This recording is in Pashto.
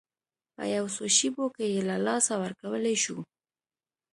په یو څو شېبو کې یې له لاسه ورکولی شو.